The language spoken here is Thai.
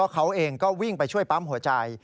เขาเองก็วิ่งไปช่วยปั๊มหัวใจ